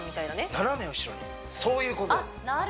斜め後ろにそういうことです